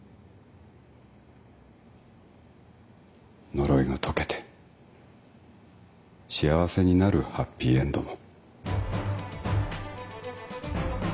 呪いが解けて幸せになるハッピーエンドも。